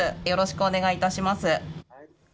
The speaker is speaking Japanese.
よろしくお願いします。